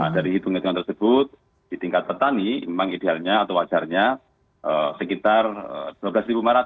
dari hitung hitungan tersebut di tingkat petani memang idealnya atau wajarnya sekitar rp dua belas lima ratus